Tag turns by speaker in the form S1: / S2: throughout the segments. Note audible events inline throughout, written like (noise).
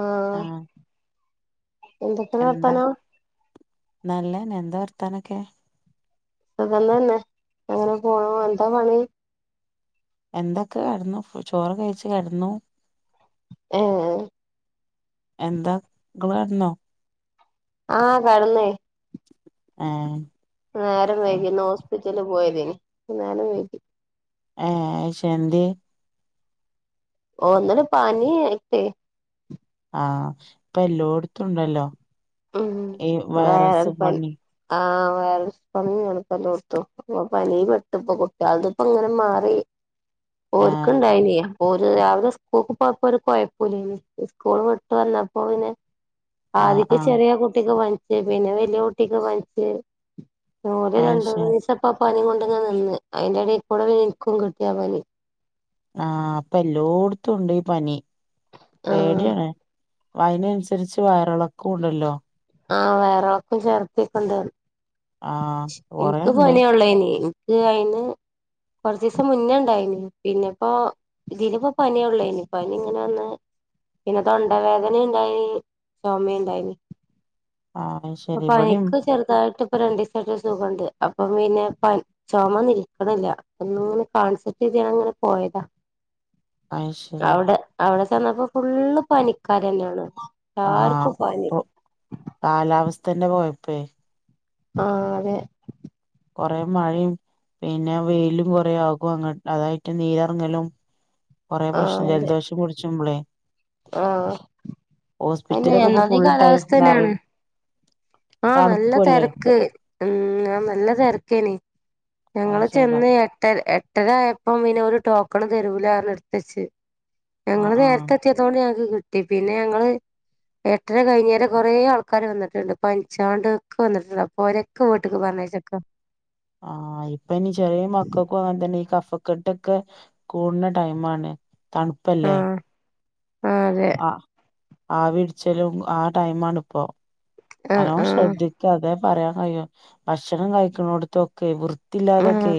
S1: ആഹ
S2: ആഹ്
S1: എന്തൊക്കെ വർത്താനം.
S2: നല്ലന്ന എന്താ വർത്താനൊക്കെ.
S1: അത തന്നെ അങ്ങനെ പോണു എന്താ പണി.
S2: എന്തൊക്കെ കിടന്നു ചോറ് കഴച്ച് കടന്നു.
S1: ഐ
S2: എന്താ മക്കൾ വന്നോ
S1: ആഹ് കടന്നേ.
S2: ആഹ
S1: നേരം വൈകി ഇന്ന് ഹോസ്പിറ്റല പോയത്ന് നേരം വൈിക്കി.
S2: ആഹശെ എന്ത്യേ
S1: ഓ ന്നലെ പാനി എട്ടേ
S2: ആഹ് ഇപ്പ എല്ലോടത്തുംണ്ടല്ലോ
S1: ഉം
S2: ഈ
S1: വയറൽ
S2: വൈറസ്
S1: പനി
S2: പണി.
S1: ആഹ് (unintelligible) പനി പെട്ട് ഇപ്പ കുട്ടിയാൾദെ, ഇപ്പ ഇങ്ങനെ മാറി. ഓര്ക്ക്
S2: ആഹ്
S1: ഇണ്ടായിനെ. ഓര്‌, രാവിലെ സ്കൂൾക്ക് പോയപ്പോ ഒരു കോഴപ്പില്ല സ്കൂൾ വിട്ട് വന്നപ്പോന്നെ.
S2: ആഹ്
S1: (unintelligible)
S2: ആഹ്
S1: കുട്ടിക്ക് പനിച്ച് പിന്നെ വലിയ കുട്ടിക്ക് പനിച്ച്. ഒല് രണ്ട്
S2: അയ്ശരി
S1: മൂന്നീസം. അപ്പ പനി കൊണ്ട് നിന്ന് അതിന്റെടയിൽ കൂടെ ൻക്കും കിട്ടിയാ പനി.
S2: ആഹ് അപ്പൊ എല്ലോടത്തും ഉണ്ട് ഈ പനി
S1: ആഹ്
S2: പേടിയാണ്. അയ്നനുസരിച്ച് വയറിളക്കും. ഉണ്ടല്ലോ.
S1: ആഹ് വയറിളക്കോം ഛർത്തി കൊണ്ട്
S2: ആഹ്
S1: എനിക്ക്
S2: കൊറേണ്ട്
S1: പനിയൊള്ളനി. അയിന് കൊറച്ചിസം മുന്നണ്ടായിന് പിന്നെപ്പോ. ഇതിനിപ്പോ പനിയള്ളേനി പനി ഇങ്ങനെന്ന്. പിന്നെ തൊണ്ടവേദന ഉണ്ടായിന് ചുമ ഉണ്ടായിന്.
S2: അഹ്
S1: പ്പ പനിക്ക് ചെറുതായിട്ട് ഇപ്പൊ രണ്ടു ദിസായിട്ടരു സുഖണ്ട് അപ്പം പിന്നെ പ ചുമ നിൽക്കിണില്ല, പ്പനിങ്ങ കാണിച്ചട്ടെങ്ങിനെ പോയതാ.
S2: അയ്ശരി
S1: അവിടെ അവിടെ ചന്നപ്പോ ഫുള്ള് പനിക്കാർതന്നെയാണ്.
S2: ആഹ് പ്പൊ കാലാവസ്ഥന്നന്റെ കൊഴപ്പെ
S1: ആഹ് അതെ.
S2: കൊറെ മഴേം പിന്നെ വെയിലും കുറേ ആകും അങ്ങ അതായിട്ട് നീരിറങ്ങലും. കൊറെേ
S1: ആഹ്
S2: പ്രശ്നം
S1: അതെ
S2: ജലദോഷം പുടിച്ച് മ്പളേ.
S1: ആഹ് പിന്നെ
S2: ഇപ്പൊ
S1: ഒന്നാമത്
S2: ഫുൾ ടൈം
S1: കാലാവസ്ഥ
S2: നെറിം
S1: തന്നെയാണ്. ആഹ് നല്ല
S2: തണുപ്പുല്ലേ
S1: തെരക്ക്. ഉം ആ നല്ല തിരക്കേന്
S2: അത്
S1: നഞങ്ങള്
S2: ശരിന്നാ
S1: ചെന്ന് എട്ടര എ എട്ടര ആയപ്പോ പിന്നെ ഓരു ടോക്കണും തരൂലറിഞ്ഞ് നിർത്തിച്ച്
S2: ആഹ്
S1: ഞങ്ങള്
S2: ആഹ്
S1: നേരത്തെ ത്തിയതോണ്ട് ഞങ്ങക്ക് കിട്ടി പിന്നെ ഞങ്ങള് ഏട്ടര കഴിഞ്ഞേരം കുറെ ആൾക്കാര് വന്നിട്ടുണ്ട് പനിച്ചാണ്ട് ക്കെ വന്നിട്ടുണ്ട് അപ്പോ ഓര് ക്കോട്ട്ക്ക് പറഞ്ഞയച്ചക്കാ
S2: (inaudible) ആ ഇപ്പ ഇനി ചെറിയ മക്കൾക്കും അങ്ങനെ തന്നെ ഈ കഫക്കെട്ടൊക്കെ കൂടുന്ന ടൈം ആണ്. തണുപ്പല്ലേ?.
S1: ആ അതെ
S2: അ ആവിപിടിച്ചലും ആ ടൈമാണ് ഇപ്പോ
S1: ആഹ്
S2: നല്ലോണം
S1: ആഹ്
S2: ശ്രദ്ധി ക്ക്‌ അതെ പറയാൻ കഴിയു ഭക്ഷണം കഴിക്കുണടത്തൊക്കെ
S1: ആഹ്
S2: വൃത്തില്ലാതൊക്കെ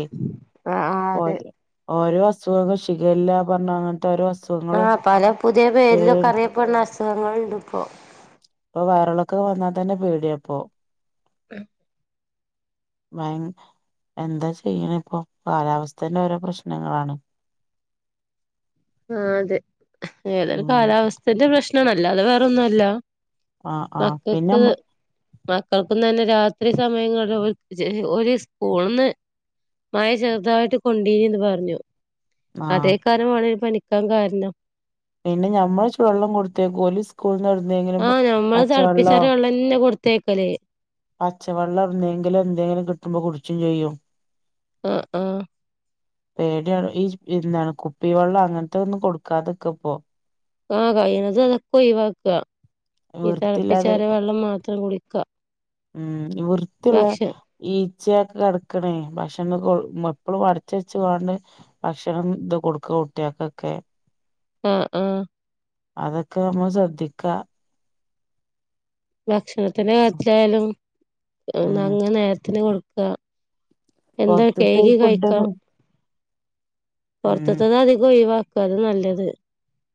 S1: ആഹ് ആഹ് അതെ
S2: ഓരോ ഓരോ അസുഖങ്ങൾ ഷിഗല്ല പറഞ്ഞാ അങ്ങനത്തെ ഓരൊ അസു
S1: ആ പല പുതിയ പേരിലൊക്കെ അറിയപ്പെടുന്ന അസുഖങ്ങളുണ്ട് ഇപ്പോ
S2: ഇപ്പൊ വയറിളക്കം വന്നാ തന്നെ പേടിയപ്പോ.
S1: ഉം
S2: (unintelligible) എന്താ ചെയ്യണ ഇപ്പോ കാലാവസ്ഥേന്റെ ഓരോ പ്രശ്നങ്ങളാണ്.
S1: ആഹ് അതെ ഏതൊരു
S2: ഉം
S1: കാലാവസ്ഥേന്റെ പ്രശ്നമല്ലാതെ വേറൊന്നുല്ല.
S2: ആ ആ പിന്നെ
S1: മക്കക്ക്
S2: മ്മ
S1: മക്കൾക്ക് തന്നെ രാത്രി സമയങ്ങളിൽ ഒരു സ്കൂളിന്ന് മഴ ചെറുതായിട്ട് കൊണ്ടീനന്ന് പറഞ്ഞു
S2: ആ
S1: അതേ കാരമാണ് പനിക്കാൻ കാരണം.
S2: പിന്നെ ഞമ്മള ചു വെള്ളം കൊടുത്തേക്കും ഓല് സ്കൂളന്ന് എവിടുന്നെങ്കിലും പച്ചവെള്ളോ
S1: ഇല്ല കൊടുത്തേക്കല്
S2: പച്ചവെള്ളം എന്തെങ്കിലും എന്തെങ്കിലും കിട്ടുമ്പോ കുടിച്ചും ചെയ്യും.
S1: ആഹ് ആഹ്
S2: പേടിയാണ് ഈ എന്താണ് കുപ്പി വെള്ളം അങ്ങനത്തെ ഒന്നും കൊടുക്കാതെ ഇരിക്ക ഇപ്പോ
S1: ആ കഴിവതും അതൊക്കെ ഒഴിവാക്കുക. ഈ
S2: വൃത്തിയില്ലാതെ
S1: തിളപ്പിച്ചാറിയ വെള്ളം മാത്രം കുടിക്കാ
S2: ഉം വൃത്തിയുള്ള ഈച്ചയൊക്കെ കിടക്കണേ ഭക്ഷണം എപ്പഴും അടച്ച് വെച്ച്കാണ്ട് ഭക്ഷണം ഇത് കൊടുക്കുക കുട്ടിയക്കൊക്കെ
S1: ആഹ് ആഹ്
S2: അതൊക്കെ നമ്മ ശ്രദ്ധിക്ക
S1: ഭക്ഷണത്തിന്റെ കര്യത്തിലായാലും
S2: ഉം
S1: അങ്ങ് നേരത്തിന് കൊടുക്കുക. എന്താ
S2: പൊറത്ത്ത്തെ ഈ
S1: കേഴകി കഴിക്ക
S2: ഫുഡൊന്നും ഉം
S1: പുറത്തത്തത് അധികം ഒഴിവാക്കുക അതാനല്ലത്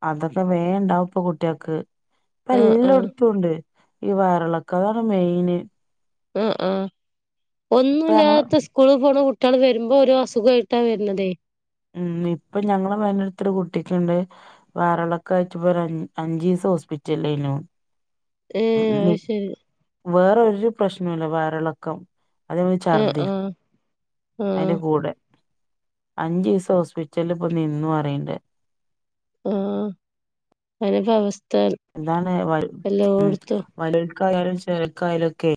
S2: അതൊക്കെ വേണ്ടാ ഇപ്പൊ കുട്ടികൾക്ക് ഇപ്പ
S1: ആഹ്
S2: എല്ലാം
S1: ആഹ്
S2: എടുത്തുണ്ട്. ഈ വയറിളക്കാണ് മെയിന്
S1: ആ ആഹ്
S2: ഇപ്പ ഞങ്ങള്
S1: ഒന്നുമില്ലാത്ത സ്കൂളിൽ പോണ കുട്ടികൾ വരുമ്പോ ഒരു അസുഖമായിട്ടാ വരുന്നതേ
S2: ഉം ഇപ്പ ഞങ്ങള് വയ നടുത്തൊരു കുട്ടിക്കുണ്ട്. വയറിളക്കാ ആയിട്ടിപ്പോ അഞ്ച് ദിവസം ഹോസ്പിറ്റലായിരുന്നു.
S1: ഏഹ് അത് ശരി
S2: വേറൊരു പ്രശ്‌നംല്ല വയറിളക്കം അത് പോലെ
S1: ആഹ്
S2: ചർതിയും
S1: ആഹ് ആഹ്
S2: അതിന്റെ കൂടെ അഞ്ചു ദിവസം ഹോസ്പിറ്റലിൽ ഇപ്പൊ നിന്നും പറിയണ്ട്.
S1: ആ അങ്ങനത്തെ അവസ്ഥയായി.
S2: എന്താണ് വ ഉ വലൽക്കായാലും ചെരക്കായാലും ഒക്കെ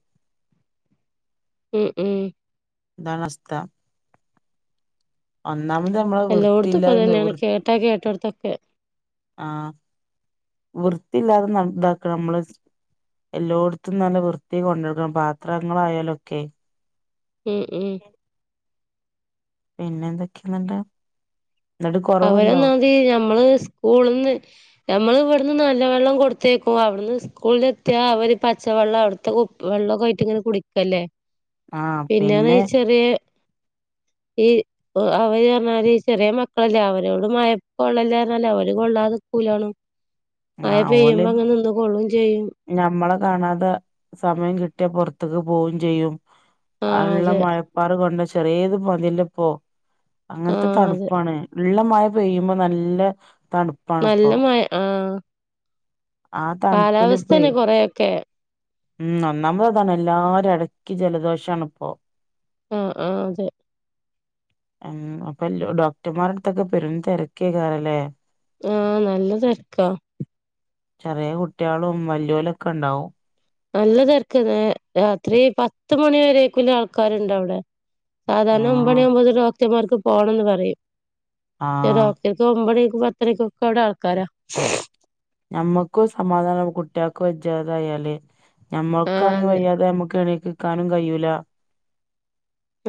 S1: ഉം ഉം
S2: താണവസ്ഥ നമ്മളെ
S1: എല്ലാം എടുത്തപ്പ
S2: വൃത്തിയില്ലായ്മ
S1: ഇങ്ങനെ
S2: വൃ
S1: കേട്ടാ കേ കേട്ടടുത്തക്കേ
S2: ആഹ് വ്യത്തിയില്ലാതെ ഇതാക്കണം നമ്മള് എല്ലായിടത്തും നല്ല വൃത്തി കൊണ്ടെടുക്കണം പാത്രങ്ങളായാലൊക്കെ
S1: ഉം ഉം
S2: പിന്നെ എന്തൊക്കെയുണ്ട്
S1: അവരന്നാതി ഞമ്മള് സ്കൂളിന്ന് മ്മൾ ഇവിടുന്ന് നല്ല വെള്ളം കൊടുത്തേക്കും അവിടുന്ന് സ്കൂളില എത്തിയാ അവര് പച്ചവെള്ളം അവിടുത്തെ വെള്ളമൊക്കായിട്ട് ഇങ്ങനെ കുടിക്കല്ലേ
S2: ആ
S1: പിന്നത്
S2: പിന്നെ
S1: വെച്ചാല് ഈ അവര്‌പഞ്ഞാല് ചെറിയ മ ളല്ലേ അവരോട് മഴക്കൊള്ളല്ലർഞ്ഞ അവരു കൊള്ളാതെക്കൂലാണും മയ
S2: ആ
S1: പെയ്യുമ്പോ
S2: ഓല്
S1: അങ്ങനിന്ന് കൊള്ളും ചെയ്യും
S2: ഞമ്മളെ കാണാതെ സമയം കിട്ടിയാ പൊറ്ത്ത്ക്ക് പോവും ചെയ്യും ആ ഉള്ള മഴപ്പാറ് കൊണ്ട ചെറിയേത് മതില്ലോപോ
S1: ആ
S2: അങ്ങൻത്തെ
S1: അതെ
S2: തണുപ്പാണ് ഉള്ള മഴ പെയ്യുമ്പോ നല്ല തണു
S1: നല്ല മഴ ആഹ്
S2: ആ
S1: കാലാവസ്ഥന്നെ കൊറേ ഒക്കെ
S2: ഉഹ് ഒന്നാമതതാണ് എല്ലാരു അടക്കി ജലദോഷണ് ഇപ്പോ.
S1: ആഹ് ആഹ് അതെ
S2: ഉഹ് അപ്പൊ എല്ലൊ ഡോക്ടർമാരടുത്തൊക്കെ പെരും തെരക്കയ്ക്കാരല്ലെ
S1: ആഹ് നല്ല തെര്ക്കാ
S2: ചെറിയേ കുട്ട്യാളും വെല്ല്യോലൊക്കെണ്ടാവും
S1: നല്ല തെക്കെയ്നു രാത്രി പത്ത് മണി വരേക്കുള്ള ആൾക്കാരുണ്ടവിടെ സാധാരണ
S2: ആഹ്
S1: ഒമ്പണിയാവുമ്പോത്തിനു ഡോക്ടർമാർക്ക് പോണംന്ന് പറയും ശെ
S2: ആഹ്
S1: ഡോക് ചെൽപ്പോ ഒമ്പണിക്കും പത്തണിക്കൊക്കെ അവ്ടെ ആൾക്കാരാ
S2: ഞമ്മക്കു സമാധാന കുട്ട്യാൾക്ക് വെജ്ജാതായാല്
S1: ആ
S2: ഞമ്മൾക്കാണെങ്കി
S1: അതെ
S2: വയ്യാതായ നമ്മുക്ക് എണീക്കിക്കാനും കഴിയൂല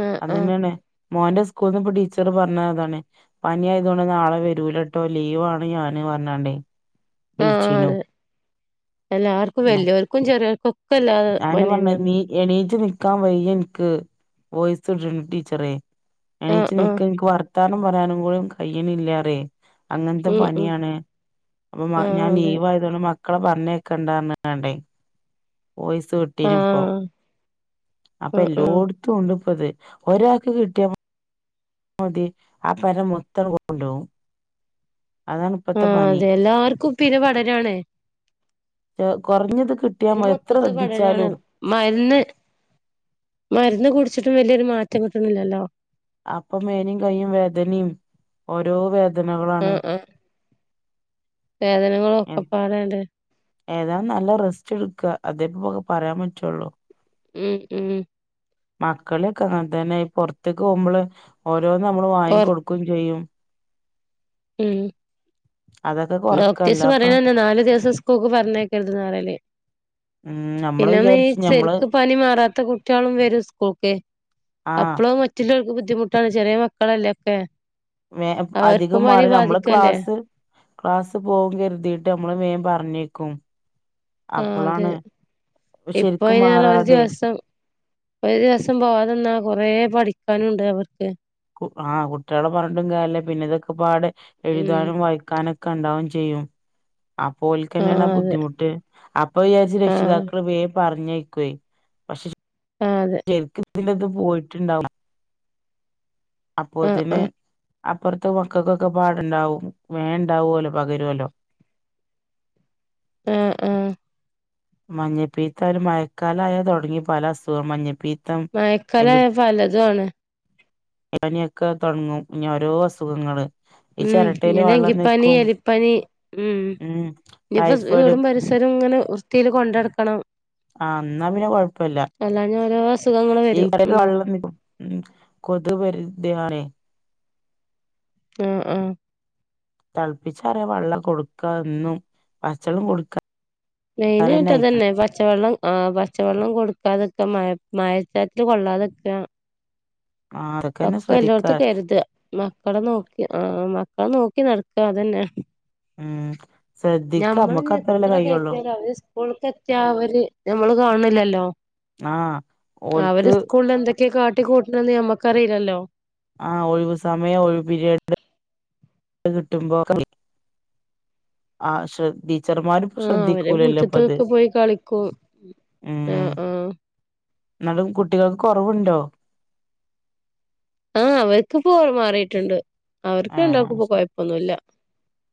S1: ആ ആ
S2: അതെന്നേണ് മോന്റെ സ്കൂൾന്ന് ഇപ്പൊ ടീച്ചറ് പറഞ്ഞ അതാണ് പനി ആയതോണ്ട് നാളെ വരൂലട്ടോ ലീവാണ് ഞൻ പറഞ്ഞാണ്ടെ
S1: ആഹ് അതെ എല്ലാർക്കും വെല്ല്യോൽക്കും ചെറിയോൽക്കൊ
S2: അഹന്നെ പർഞ്ഞെ നീ എണീച്ച് നിക്കാൻ വയ്യെനിക്ക് വോയിസ് (unintelligible) ടീച്ചറെ.
S1: ആഹ്
S2: എണീച്ച്
S1: ആഹ്
S2: നിക്ക് ഇൻക്ക് വർത്താനം പറയാനും കൂടി കയ്യ്ണില്ലാറേ. അങ്ങൻത്ത
S1: ഉം ഉം
S2: പനിയാണ് അപ്പൊ മ
S1: ആഹ്
S2: ഞാൻ
S1: അതെ
S2: ലീവായ് ക്ക്ണ മക്കളെ പർഞ്ഞേക്കണ്ടാ ർഞ്ഞ്ക്കാണ്ടെ. വോയ്സ് വിട്ടിനിപ്പോ
S1: ആഹ്
S2: അപ്പ
S1: ആഹ് ആഹ്
S2: എല്ലോട് ത്തുണ്ട്പ്പത് ഒരാക്ക് കിട്ട്യാ മതി ആഹ് പെര മൊത്താണ്ട് കൊണ്ടോവും. അതാണ് ഇപ്പത്തെ
S1: ആഹ്
S2: പനി
S1: അതെ എല്ലാർക്കും പിര് പടരാണേ.
S2: ഏഹ് കൊർഞ്ഞത് കിട്ട്യാ മ എത്ര ശ്രദ്ധിച്ചാലും.
S1: മര്ന്ന് മര്ന്ന് കുട്ച്ചിട്ടും വല്ല്യരു മാറ്റം കിട്ട്ണില്ലല്ലോ.
S2: അപ്പം മേനി കയ്യു വേദനിം ഓരോ വേദനകളാണ്.
S1: വേദനകള് ഒക്കെ പാടങ്ങട്ട്
S2: ഏതാലും നല്ല റസ്റ്റ്ട്ക്ക അതേപ്പൊ പറയാൻ പറ്റുള്ളൂ.
S1: ഉം ഉം
S2: മക്കളെക്കെ അങ്ങ തന്നെ ഇ പൊറ്ത്ത്ക്ക് പോകുമ്പള് ഓരോന്ന് നമ്മള് വാങ്ങി
S1: പൊറ
S2: കൊട്ക്കും ചെയ്യും.
S1: ഉം
S2: അതൊക്കെ കൊറക്കല്ല
S1: ഡോക്ടേഴ്സ്
S2: അപ്പൊ
S1: പറിണന്ന നാല് ദിവസം സ് ക്കൂക്ക് പർഞ്ഞേക്കര്ത് ന്നറിയല്
S2: ഉം നമ്മള്
S1: പിന്നെ
S2: വിചാരിച്ചു ഞമ്മള്
S1: നീശെര്ക്ക് പനി മാറാ ത്ത കുട്ട്യാളും വരു സ്കൂൾക്ക്
S2: ആഹ്
S1: അപ്പളും മ റ്റില്ലോർക്ക് ബുദ്ധിമുട്ടാണ് ചെറിയ മക്കളെല്ലെ ഒക്കെ.
S2: മേം പ്
S1: അവർക്കും
S2: അധികം
S1: പനി
S2: മാറി നമ്മള്
S1: ബാധിക്കല്ലേ
S2: ക്ലാസ് ക്ലാസ് പോവും കര്തീട്ട് നമ്മള് മേം പർഞ്ഞേക്കും.
S1: ആഹ് അതെ
S2: ശരിക്കും
S1: ഇപ്പയ്നാറ്ഞ്ഞ ഒരു
S2: മാറാതെ
S1: ദിവസം ഒരു ദിവസം പോവാത് ന്നാ കൊറേ പഠിക്കാനുണ്ട് അവർക്ക്.
S2: കു ആഹ് കുട്ട്യാളെ പർഞ്ഞ്ട്ടും കാര്യല്ല പിന്നെ ഇതൊക്കെപ്പാട്
S1: ഉം
S2: എഴുതാനും വായിക്കാനൊ ക്കണ്ടാവും ചെയ്യും. അപ്പോല്ക്കെന്നേണ് ആ
S1: ആഹ് അതെ
S2: ബുദ്ധിമുട്ട് അപ്പ യാരിച്ച്
S1: ആഹ്
S2: രക്ഷിതാക്കള് വേ പർഞ്ഞയ്ക്കെ. പക്ഷെ
S1: ആഹ് അതെ
S2: ചെര്ക്ക് ഇതിന്റെത് പോയിട്ടുണ്ടാ
S1: ആഹ്
S2: അപ്പോത്തിന്
S1: ആഹ്
S2: അപ്പർത്തെ മക്കൾക്കൊക്കെ പാട്ണ്ടാവും വേ ണ്ടാവൊല്ലോ പകരൊല്ലോ.
S1: ഏഹ് ഏഹ്
S2: മഞ്ഞപ്പീത്തായലും മഴക്കാലയാ തൊട്ങ്ങി പല അസുഖം മഞ്ഞപ്പീ
S1: മഴക്കാലായ പലതും ആണ്.
S2: എനെയൊക്കെ തൊട്ങ്ങും ഇഞ്ഞി ഓരോ അസുഖങ്ങള് ഈ
S1: ഉം
S2: ചിരട്ടയില്
S1: ഇഞ്ഞ്
S2: വെള്ളം
S1: ഡങ്കിപ്പനി,
S2: നിക്കും
S1: എലിപ്പനി ഉം ഞ്ഞ്പ്പം
S2: ടൈഫോയിഡ്
S1: എഔടം വരെ സരങ്ങനെ വൃത്തീൽ കൊണ്ടട്ക്കണം.
S2: ആഹ് ന്നാ പിന്നെ കൊഴപ്പല്ല.
S1: അല്ലാഞ്ഞ ഓരോ അസുഖങ്ങള്
S2: ഈ
S1: വരും
S2: (unintelligible)
S1: ഉം
S2: വള്ളം നിപ്പു ഉം കൊതു വരതയാണ്
S1: ആഹ് ആഹ്
S2: തൾപ്പിച്ചാറിയ വള്ളം കൊടുക്ക ന്നും വച്ചളും കൊട്ക്കാ
S1: മെയ്നായിട്ട് അതന്നെ പച്ചവള്ളം ആഹ് പച്ചവള്ളം കൊട്ക്കാതക്ക മഴ (unintelligible) കൊള്ളാതക്ക.
S2: ആ അതൊക്കെന്നെ
S1: ഒക്കെ
S2: ശ്രദ്ധിക്ക
S1: എല്ലോട്ത്തും കര്ത. മക്കളെ നോക്കി ആഹ് മക്കളെ നോക്കി നട്ക്കാ അതന്നേ.
S2: ഉം സദ്ധിക്ക മ്മക്ക് അത്ര ല്ലെ കയ്യള്ളൂ.
S1: കൂൾക്ക് എത്ത്യാ ഒര് നമ്മള് കാണ്ല്ലല്ലോ
S2: ആ
S1: അവര്
S2: ഓൽക്ക്
S1: സ്കൂൾൽ എന്ത ക്കെ കാട്ടിക്കൂട്ട്ണന്ന് നമ്മക്കറിലല്ലോ.
S2: ആ ഒഴിവ് സമയം ഒഴിവി (unintelligible) കിട്ട്മ്പോ ക്ക വി ആഹ് ശ്രദ്ധി ച്ചർമാരും
S1: ആ അവര്
S2: ശ്രദ്ധിക്കൂലല്ലോ പ്പ ത്
S1: മുറ്റത്തൊക്കെ പോയി കളിക്കും ആ
S2: ഉം
S1: ആ
S2: ന്നാലും കുട്ടികൾക്ക് കൊറവ്ണ്ടോ?
S1: ആഹ് അവർക്കിപ്പോ മാറിയിട്ടുണ്ട് അവർക്ക്
S2: ആ
S1: ഉണ്ടാക്കും ഇപ്പൊ കൊഴപ്പൊന്നുമല്ല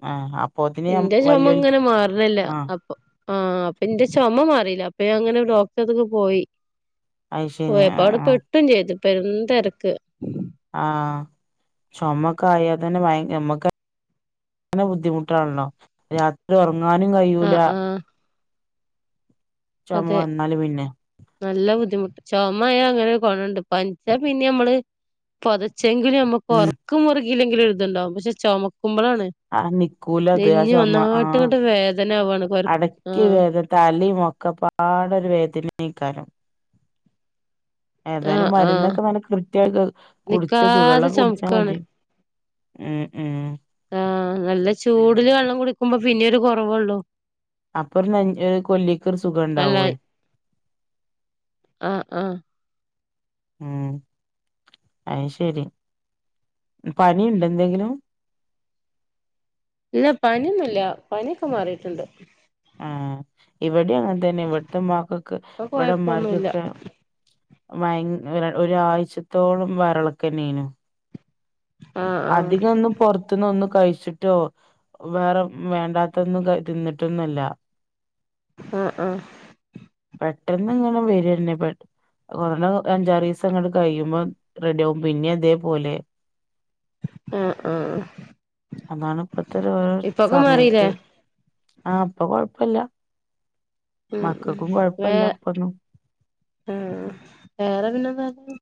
S2: ആ അപ്പോത്തിന്
S1: എന്റെ ചുമ
S2: വല്യോൽ
S1: ഇങ്ങനെ മാറണല്ല
S2: ആ
S1: അപ്പൊ ആഹ് അപ്പൊ എന്റെ ചുമ മാറിയില്ല അപ്പൊ അങ്ങനെ ഒരു ഡോക്ടർത്തൊക്കെ പോയി
S2: അത് ശരി
S1: ഓയപ്പ
S2: ആ
S1: അട
S2: ആ
S1: പെട്ടും ചെയ്തു ഇപ്പ എന്താ ഇക്ക്
S2: ആഹ് ചൊമ്മക്ക ആയ തന്നെ ഭയ അങ്ങനെ ബുദ്ധിമുട്ടാണല്ലോ രാത്രി ഉറങ്ങാനും
S1: ആ
S2: കഴൂല
S1: ആ
S2: ചുമ
S1: അതെ
S2: വന്നാല് പിന്നേ
S1: നല്ല ബുദ്ധിമുട്ട് ചുമമയ അങ്ങനെ കുണുണ്ട്ഞ്ച്ചാ പിന്നെ നമ്മള് പൊതച്ചെങ്കിലും നമ്മക്ക്
S2: ഉം
S1: ഉറക്കും മുറുകല്ലെങ്കിലും എഴുതുണ്ടാവും പക്ഷെ ചുമക്കുമ്പോളാണ്
S2: ആഹ് നിക്കൂല അത് ആഹ്
S1: നെഞ്ഞ്
S2: ചുമ
S1: ഒന്നായിട്ട്
S2: ആഹ്
S1: ഇങ്ങട്ട് വേദന ആവാണ് കൊര
S2: അടക്ക
S1: ആഹ്
S2: വേദന തലിയുമൊക്കെ പാടൊരു വേദനക്കാലം ഏതായാലും
S1: ആഹ് ആഹ്
S2: മരുന്നൊക്കെ നനക്ക് കൃത്യമായി കുടിച്ച
S1: നിക്കാതെ
S2: ചൂടുള്ളൊക്കെ കുടിച്ചാ
S1: ചുമക്കാണ്
S2: മതി ഉം ഉം
S1: ആഹ് നല്ല ചൂടില് വെള്ളം കുടിക്കുമ്പോ പിന്നെ ഒരു കുറവള്ളൂ
S2: അപ്പറ ന കൊല്ലിക്കർ സുഖ
S1: അല്ല
S2: ഉണ്ടാവയി
S1: ആഹ് ആഹ്
S2: ഉം അയ്ശരി പനിയുണ്ട് എന്തെങ്കിലും
S1: ഇല്ല പനിയൊന്നുമില്ല പനിയൊക്കെ മാറിയിട്ടുണ്ട്
S2: ആഹ് ഇവിടെ അങ്ങനെ തന്നെ ഇത്ത മാഗക്ക്
S1: ഇപ്പൊ
S2: വട
S1: കൊഴപ്പൊന്നുല്ല
S2: മാർഗക്ക ഭയ ഒരാഴ്ചത്തോളം വരളക്കെന്നെനു
S1: ആഹ് ആഹ്
S2: അധിക ഒന്ന് പുറത്തുന്ന് ഒന്ന് കഴിച്ചിട്ടോ വേറെ വേണ്ടാത്തൊന്നും കഴി തിന്നിട്ടന്നല്ല
S1: ആഹ് ആഹ്
S2: പെട്ടെന്ന് ഇങ്ങെ വരന്നെ കൊറണ അഞ്ചാറ് ദിവസ അങ്ങട്ട് കഴിയുമ്പോം റെഡി ആവും പിന്നെ അതേപോലെ
S1: ആഹ് ആഹ്
S2: അതാണ് ഇപ്പത്തെ ഓരോ
S1: ഇപ്പൊക്കെ മാറില്ലേ
S2: സമയത്ത് ആഹ് ഇപ്പൊ കൊഴപ്പല്ല.
S1: ഉം ഉം
S2: മക്കക്കും
S1: വേ
S2: കൊഴപ്പല്ല ഇപ്പൊന്നും
S1: ആഹ് വേറെ പിന്നെന്തർഞ്ഞെ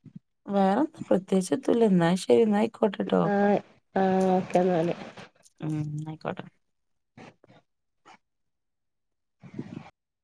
S2: വേറെന്താ പ്രത്യേകിച്ച്തുല്ല എന്നാ ശെരി എന്നായിക്കോട്ടെട്ടോ.
S1: ആഹ് ആഹ് ഓക്കെ എന്നാല്
S2: ഉം ന്നാ ആയിക്കോട്ടെ.
S1: (inaudible)